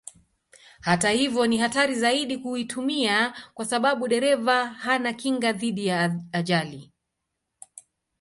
Hata hivyo ni hatari zaidi kuitumia kwa sababu dereva hana kinga dhidi ya ajali.